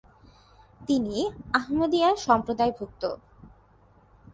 তিনি আহমদিয়া সম্প্রদায়ভুক্ত ।